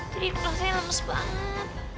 jadi rasanya lemes banget